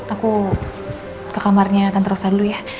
aku ke kamarnya tante rosa dulu ya